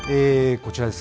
こちらです。